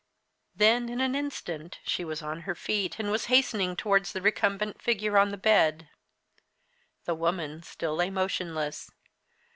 Then in an instant she was on her feet and was hastening towards the recumbent figure on the bed. The woman still lay motionless.